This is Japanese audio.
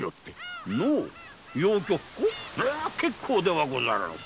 結構ではござらぬか。